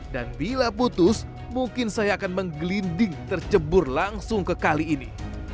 dan bila putus mungkin saya akan menggelinding tercebur langsung ke kali ini